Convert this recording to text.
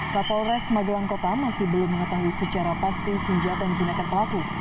kapolres magelang kota masih belum mengetahui secara pasti senjata yang digunakan pelaku